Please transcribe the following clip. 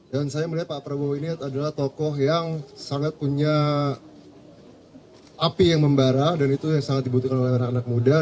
saya melihat pak prabowo ini adalah tokoh yang sangat punya api yang membara dan itu yang sangat dibutuhkan oleh anak anak muda